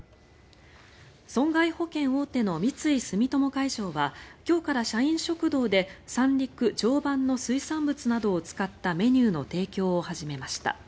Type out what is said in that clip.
損害保険大手の三井住友海上は今日から社員食堂で三陸・常磐の水産物などを使ったメニューの提供を始めました。